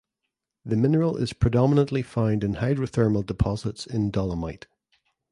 The mineral is predominantly found in hydrothermal deposits in dolomite.